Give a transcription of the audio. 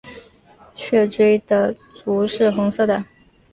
血雉的足是红色的。